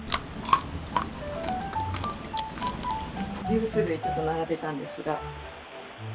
ジュース類ちょっと並べたんですが。